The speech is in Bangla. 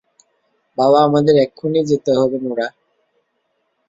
বাবা - আমাদের এক্ষুণি যেতে হবে নোরাহ।